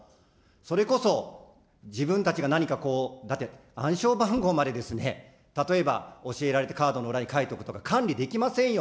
それこそ、自分たちが何かこう、だって、暗証番号までですね、例えば、教えられてカードの裏に書いておくとか、管理できませんよ。